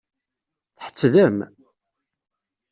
Tḥettdem?